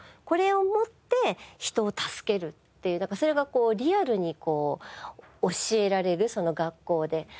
これをもって人を助けるっていうなんかそれがこうリアルに教えられるその学校で。